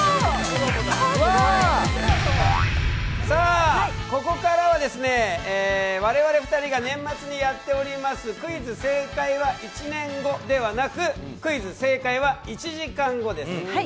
さあ、ここからは我々２人が年末にやっております、「クイズ☆正解は一年後」ではなく「クイズ☆正解は一時間後」です。